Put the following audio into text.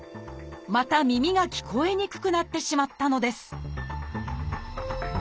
また耳が聞こえにくくなってしまったのです